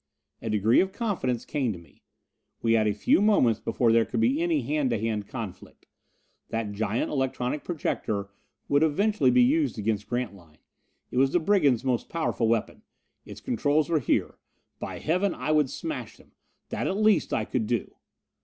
A degree of confidence came to me. We had a few moments before there could be any hand to hand conflict. That giant electronic projector would eventually be used against Grantline: it was the brigands' most powerful weapon. Its controls were here by Heaven, I would smash them! That at least I could do!